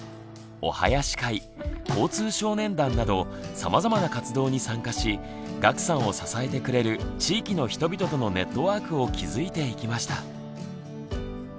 お囃子会交通少年団などさまざまな活動に参加し岳さんを支えてくれる地域の人々とのネットワークを築いていきました。